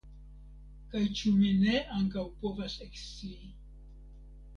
Kaj ĉu mi ne ankaŭ povas ekscii.